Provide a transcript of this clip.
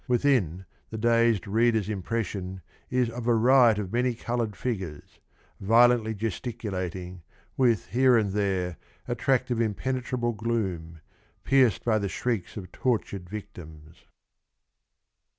Within, the dazed readers' impression is of a riot of many coloured figures, violently gesticulating, with here and there a tract of impenetrable gloom, pierced by the shrieks of tortured victims.